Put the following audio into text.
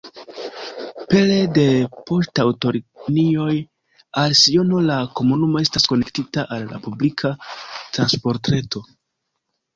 Pere de poŝtaŭtolinioj al Siono la komunumo estas konektita al la publika transportreto.